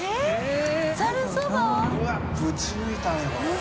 Δぶち抜いたねこれ。